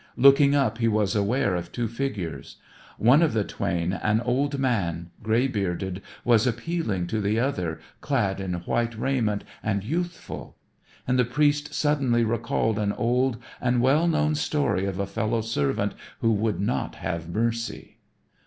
Looking up he was aware of two figures. One of the twain, an old man, gray bearded, was appealing to the other, clad in white raiment and youthful. And the priest suddenly recalled an old and well known story of a fellow servant who would not have mercy.